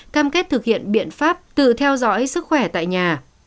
cam kết thực hiện biện pháp tự theo dõi sức khỏe tại nhà